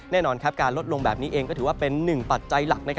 แน่นอนการลดลงแบบนี้เองก็ถือว่าเป็นหนึ่งปัจจัยหลัก